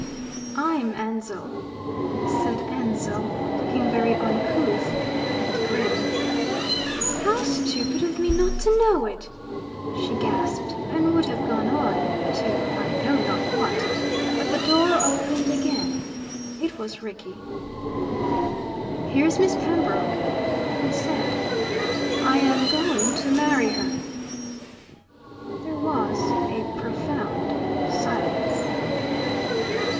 "I'm Ansell," said Ansell, looking very uncouth and grim. "How stupid of me not to know it," she gasped, and would have gone on to I know not what, but the door opened again. It was Rickie. "Here's Miss Pembroke," he said. "I am going to marry her." There was a profound silence.